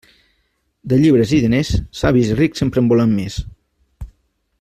De llibres i diners, savis i rics sempre en volen més.